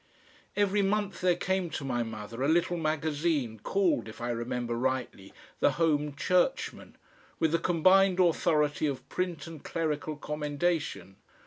Every month there came to my mother a little magazine called, if I remember rightly, the HOME CHURCHMAN, with the combined authority of print and clerical commendation.